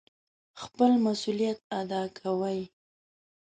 خپل مسئوليت اداء کوي.